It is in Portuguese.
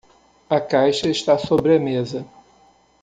A caixa está sobre a mesa.